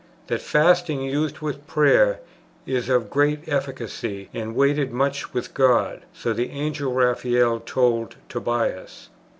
That fasting, used with prayer, is of great efficacy and weigheth much with God; so the Angel Raphael told Tobias.